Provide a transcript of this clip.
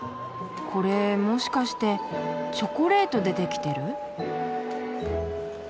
これもしかしてチョコレートで出来てる？